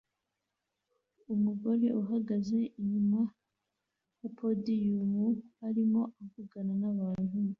Umugore uhagaze inyuma ya podium arimo avugana nabantu